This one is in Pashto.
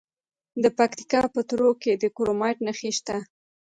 د پکتیکا په تروو کې د کرومایټ نښې شته.